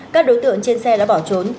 các đối tượng trên xe đã bỏ trốn